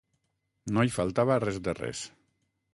No hi faltava res de res.